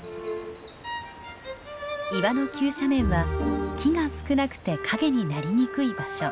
岩の急斜面は木が少なくて陰になりにくい場所。